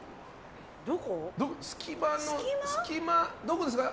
隙間、どこですか？